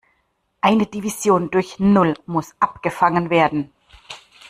Eine Division durch Null muss abgefangen werden.